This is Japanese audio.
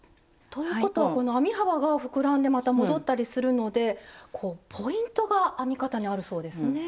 ということはこの編み幅が膨らんでまた戻ったりするのでこうポイントが編み方にあるそうですね。